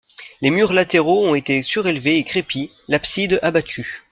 Les murs latéraux ont été surélevés et crépis, l'abside abattue.